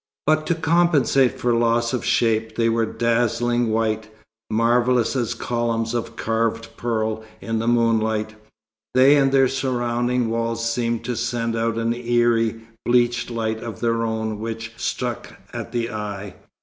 But to compensate for loss of shape, they were dazzling white, marvellous as columns of carved pearl in the moonlight, they and their surrounding walls seeming to send out an eerie, bleached light of their own which struck at the eye.